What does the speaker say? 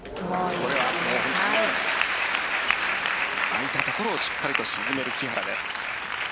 空いた所をしっかり沈める木原です。